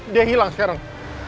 dia hilang sekarang